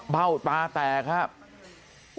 เบ้าตาแตกครับ